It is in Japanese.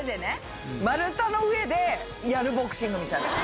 丸太の上で、やるボクシングみたいな。